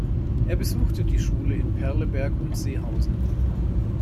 Er besuchte die Schule in Perleberg und Seehausen.